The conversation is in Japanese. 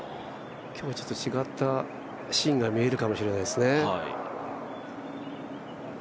今日は違ったシーンが見れるかもしれないですね。